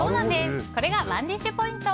これがＯｎｅＤｉｓｈポイント。